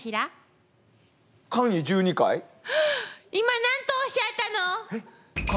今何とおっしゃったの？